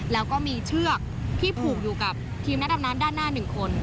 แล้วก็มีเชือกที่ผูกอยู่กับทีมนักดำน้ำด้านหน้า๑คน